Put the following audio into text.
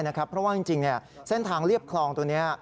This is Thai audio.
เพราะว่าจริงเส้นทางเรียบคลองตรงนี้